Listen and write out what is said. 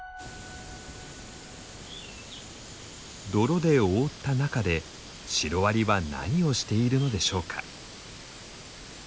泥で覆った中でシロアリは何をしているのでしょうか？